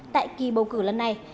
tại kỳ bầu cử lần này